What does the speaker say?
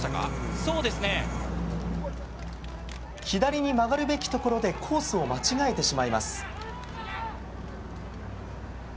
左に曲がるべきところでコースを間違えてしまいます。